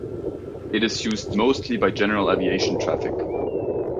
It is used mostly by general aviation traffic.